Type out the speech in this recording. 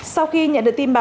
sau khi nhận được tin báo